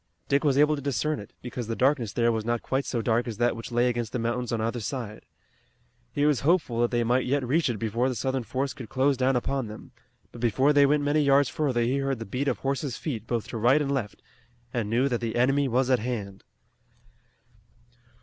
Dick was able to discern it, because the darkness there was not quite so dark as that which lay against the mountains on either side. He was hopeful that they might yet reach it before the Southern force could close down upon them, but before they went many yards further he heard the beat of horses' feet both to right and left and knew that the enemy was at hand.